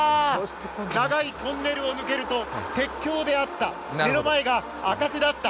長いトンネルを抜けると鉄橋であった、目の前が赤くなった。